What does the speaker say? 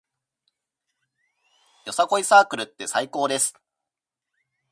よさこいサークルって最高です